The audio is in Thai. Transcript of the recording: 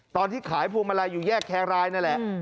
ตอนที่ขายภูมิมาลัยอยู่แยกแค้งรายนั่นแหละ